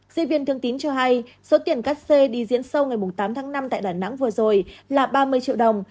diễn viên thương tín cho hay số tiền cắt xe đi diễn sâu ngày tám tháng năm tại đà nẵng vừa rồi là ba mươi triệu đồng